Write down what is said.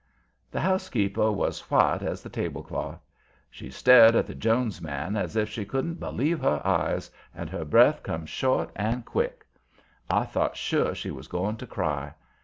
The housekeeper was white as the tablecloth. She stared at the Jones man as if she couldn't believe her eyes, and her breath come short and quick. I thought sure she was going to cry.